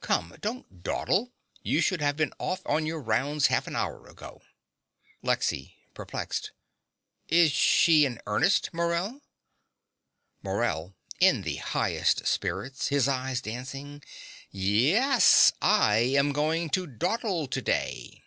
Come: don't dawdle. You should have been off on your rounds half an hour ago. LEXY (perplexed). Is she in earnest, Morell? MORELL (in the highest spirits his eyes dancing). Yes. I am going to dawdle to day.